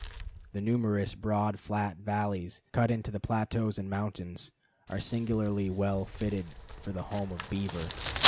The numerous broad, flat valleys, cut into the plateaus and mountains, are singularly well fitted for the home of beaver.